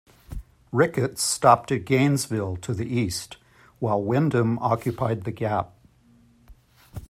Ricketts stopped at Gainesville, to the east, while Wyndham occupied the gap.